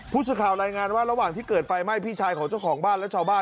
ผู้สื่อข่าวรายงานว่าระหว่างที่เกิดไฟไหม้พี่ชายของเจ้าของบ้านและชาวบ้าน